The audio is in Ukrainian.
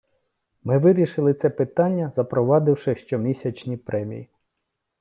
Ми вирішили це питання, запровадивши щомісячні премії.